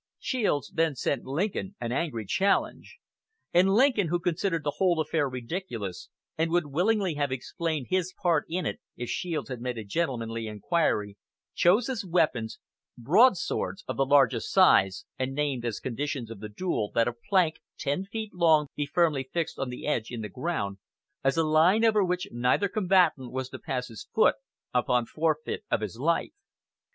Shields then sent Lincoln an angry challenge; and Lincoln, who considered the whole affair ridiculous, and would willingly have explained his part in it if Shields had made a gentlemanly inquiry, chose as weapons "broadswords of the largest size," and named as conditions of the duel that a plank ten feet long be firmly fixed on edge in the ground, as a line over which neither combatant was to pass his foot upon forfeit of his life.